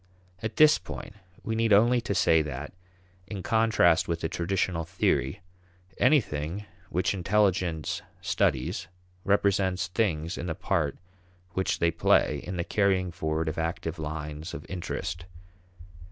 At this point, we need only to say that, in contrast with the traditional theory, anything which intelligence studies represents things in the part which they play in the carrying forward of active lines of interest.